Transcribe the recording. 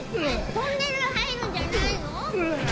トンネル入るんじゃないの？